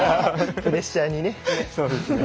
プレッシャーにね。